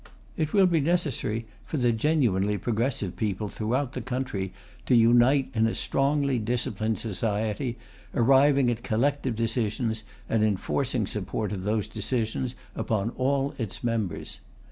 It will be necessary for the genuinely progressive people throughout the country to unite in a strongly disciplined society, arriving at collective decisions and enforcing support of those decisions upon all its members.